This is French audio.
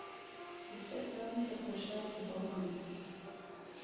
Les sept hommes s’approchèrent du bord de l’eau.